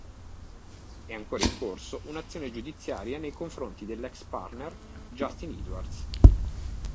È ancora in corso un'azione giudiziaria nei confronti dell'ex partner Justin Edwards.